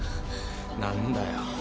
何だよ。